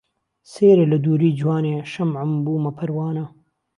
سهیره له دووری جوانێ شهمعم بوومه پهروانه